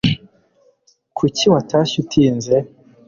kuki watashye utinze